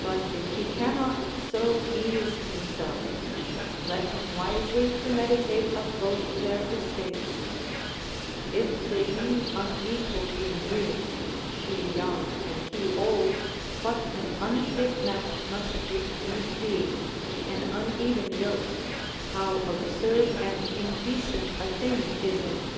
But if he cannot so ease himself, yet let him wisely premeditate of both their estates; if they be unequal in years, she young and he old, what an unfit match must it needs be, an uneven yoke, how absurd and indecent a thing is it!